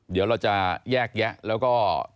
เดี๋ยวเราจะแยกแยะแล้วก็